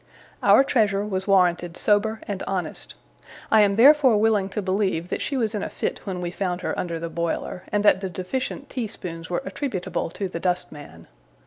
Our treasure was warranted sober and honest. I am therefore willing to believe that she was in a fit when we found her under the boiler; and that the deficient tea spoons were attributable to the dustman.